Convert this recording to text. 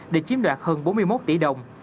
để chiếm đoạt hơn bốn mươi một tỷ đồng